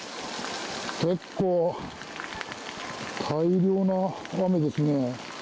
結構、大量の雨ですね。